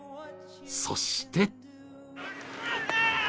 そして